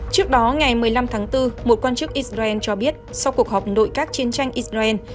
trước đó ngày một mươi năm tháng bốn một quan chức israel cho biết sau cuộc họp nội các chiến tranh israel